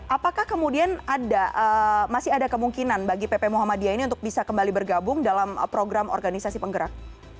apakah kemudian masih ada kemungkinan bagi pp muhammadiyah ini untuk bisa kembali bergabung dalam program organisasi penggerak